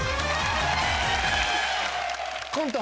コント